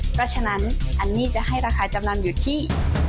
เพราะฉะนั้นอันนี้จะให้ราคาจำนำอยู่ที่